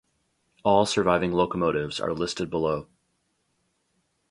All surviving locomotives are listed below.